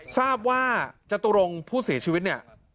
ทราบว่าจตุรงค์ผู้เสียชีวิตเนี่ย